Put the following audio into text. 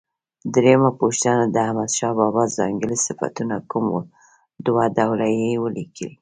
درېمه پوښتنه: د احمدشاه بابا ځانګړي صفتونه کوم و؟ دوه ډوله یې ولیکئ.